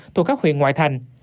thuộc các huyện ngoại thành